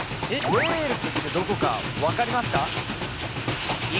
ウェールズってどこか分かりますか？